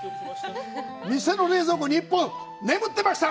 店の冷蔵庫に１本眠ってました。